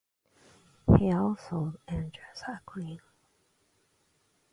He also enjoys cycling.